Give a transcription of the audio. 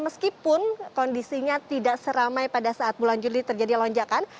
meskipun kondisinya tidak seramai pada saat bulan juli terjadi lonjakan